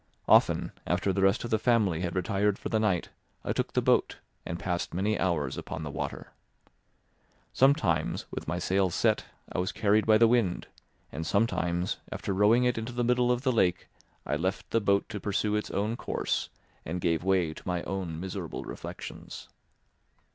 Often, after the rest of the family had retired for the night, I took the boat and passed many hours upon the water. Sometimes, with my sails set, I was carried by the wind; and sometimes, after rowing into the middle of the lake, I left the boat to pursue its own course and gave way to my own miserable reflections.